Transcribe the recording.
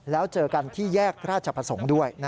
แล้วเจอกันที่แยกราชประสงค์ด้วย